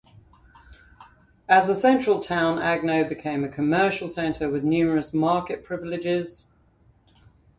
As a central town, Agno became a commercial center with numerous market privileges.